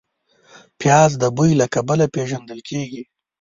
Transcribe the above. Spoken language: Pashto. پیاز د بوی له کبله پېژندل کېږي